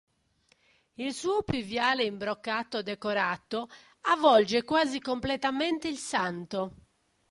Il suo piviale in broccato decorato avvolge quasi completamente il santo.